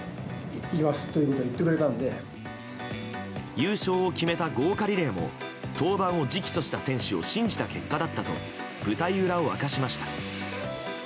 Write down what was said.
優勝を決めた豪華リレーも登板を直訴した選手を信じた結果だったと舞台裏を明かしました。